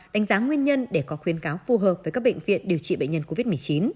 đánh giá nguyên nhân để có khuyến cáo phù hợp với các bệnh viện điều trị bệnh nhân covid một mươi chín